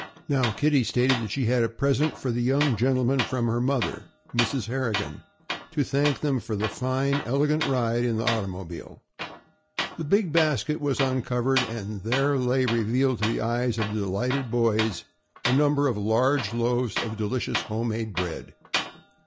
Now, Kitty stated that she had a "prisint for the young gintlemin" from her mother, Mrs. Harrigan, "to thank thim for the foine illigant ride in the artymobile." The big basket was uncovered and there lay revealed to the eyes of the delighted boys a number of large loaves of delicious homemade bread.